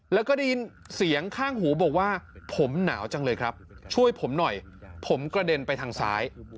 แล้วก็ได้ยินเสียงข้างหูบอกว่าผมหนาวจังเลยครับช่วยผมหน่อยผมกระเด็นไปทางซ้าย